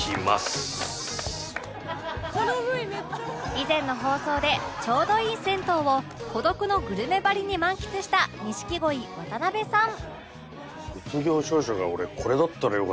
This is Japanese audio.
以前の放送でちょうどいい銭湯を『孤独のグルメ』ばりに満喫した錦鯉渡辺さん